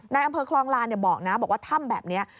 ในอำเภอคลองลานบอกนะบอกว่าถ้ำแบบนี้